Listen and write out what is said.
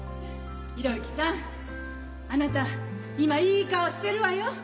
啓之さんあなた今いい顔してるわよ。